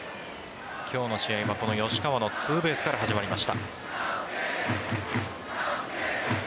今日の試合はこの吉川のツーベースから始まりました。